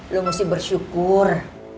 lo mesti bersyukur